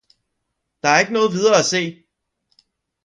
»Der er ikke Noget videre at see!